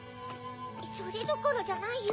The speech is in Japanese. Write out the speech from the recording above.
それどころじゃないよ。